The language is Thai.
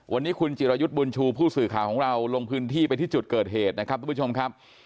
วันนี้คุณจิรายุทธ์บุญชูผู้สื่อข่าวของเราลงพื้นที่ไปที่จุดเกิดเหตุนะครับทุกผู้ชมครับ